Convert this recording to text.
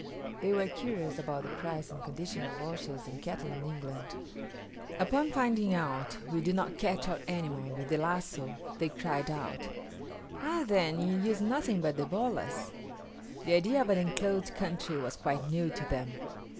They were curious about the price and condition of horses and cattle in England. Upon finding out we did not catch our animals with the lazo, they cried out, "Ah, then, you use nothing but the bolas:" the idea of an enclosed country was quite new to them.